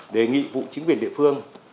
đề nghị vụ chính quyền địa phương